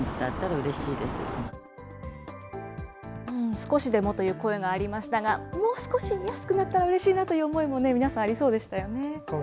少しでもという声がありましたが、もう少し安くなったらうれしいなという思いも、そうでしたね。